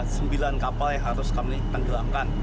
sembilan kapal yang harus kami tenggelamkan